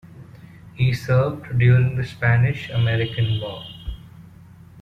He served during the Spanish-American War.